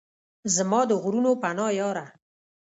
زما د غرونو پناه یاره!